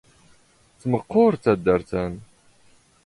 ⵜⵎⵇⵇⵓⵔ ⵜⴰⴷⴷⴰⵔⵜ ⴰⵏⵏ.